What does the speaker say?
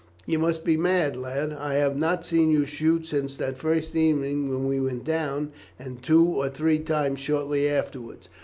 You must be mad, lad. I have not seen you shoot since that first evening when we went down, and two or three times shortly afterwards.